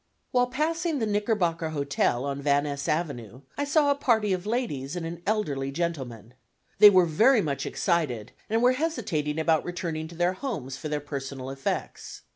While passing the Knickerbocker Hotel, on Van Ness Avenue, I saw a party of ladies and an elderly gentleman. They were very much excited and were hesitating about returning to their rooms for their personal effects.